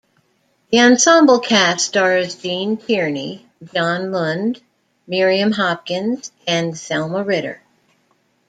The ensemble cast stars Gene Tierney, John Lund, Miriam Hopkins, and Thelma Ritter.